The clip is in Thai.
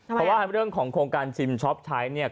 เพราะว่าเรื่องของโครงการชิมช็อปใช้เนี่ย